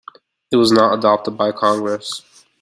It was not adopted by Congress.